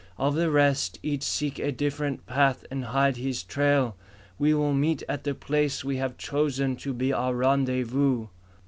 Of the rest, each seek a different path and hide his trail. We will meet at the place we have chosen to be our rendezvous."